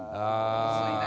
むずいね！